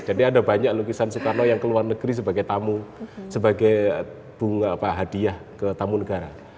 jadi ada banyak lukisan soekarno yang ke luar negeri sebagai tamu sebagai hadiah ke tamu negara